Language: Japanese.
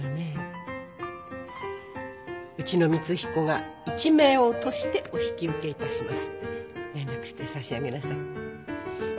うちの光彦が一命を賭してお引き受けいたしますって連絡して差し上げなさい。